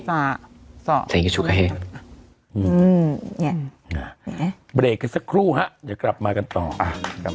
โปรดละครกันสักครู่นะครับมาก